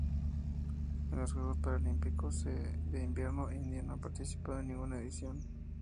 En los Juegos Paralímpicos de Invierno India no ha participado en ninguna edición.